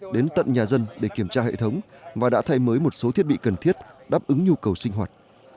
đến tận nhà dân để kiểm tra hệ thống và đã thay mới một số thiết bị cần thiết đáp ứng nhu cầu sinh hoạt